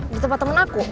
di tempat temen aku